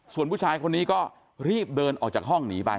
ส่วนผู้ชายคนนี้ก็รีบเดินออกจากห้องหนีไป